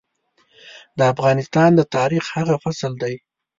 د افغانستان د تاريخ هغه فصل دی.